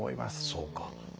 そうか。